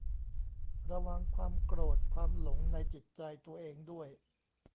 ระวังความโกรธความหลงในจิตใจตัวเองด้วย